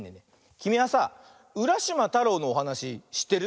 きみはさ「うらしまたろう」のおはなししってる？